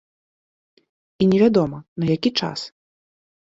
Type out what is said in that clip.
І невядома, на які час?